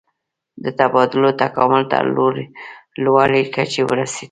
د تبادلو تکامل تر لوړې کچې ورسید.